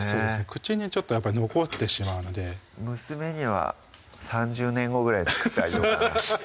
口に残ってしまうので娘には３０年後ぐらいに作ってあげようかな